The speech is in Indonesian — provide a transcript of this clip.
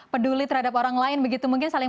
peduli terhadap orang lain begitu mungkin saling